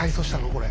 これ。